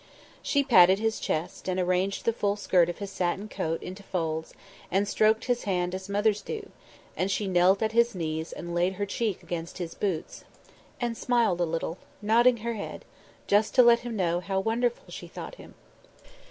She patted his chest and arranged the full skirt of his satin coat into folds, and stroked his hand as mothers do; and she knelt at his knees and laid her cheek against his boots, and smiled a little, nodding her head, just to let him know how wonderful she thought him.